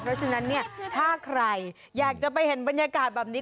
เพราะฉะนั้นเนี่ยถ้าใครอยากจะไปเห็นบรรยากาศแบบนี้